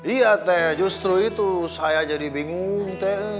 iya teh justru itu saya jadi bingung teh